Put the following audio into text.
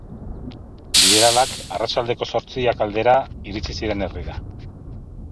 Liberalak arratsaldeko zortziak aldera iritsi ziren herrira.